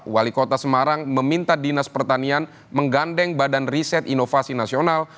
wali kota semarang meminta dinas pertanian menggandeng badan riset inovasi nasional